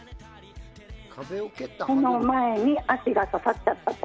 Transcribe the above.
その前に足がかかっちゃったと。